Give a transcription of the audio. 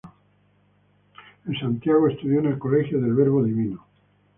En Santiago estudió en el Colegio del Verbo Divino.